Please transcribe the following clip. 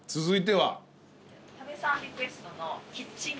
続いては？